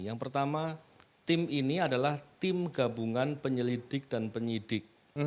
yang pertama tim ini adalah tim gabungan penyelidik dan penyidik